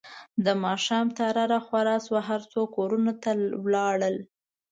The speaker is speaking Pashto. د ماښام تیاره راخوره شوه، هر څوک کورونو ته لاړل.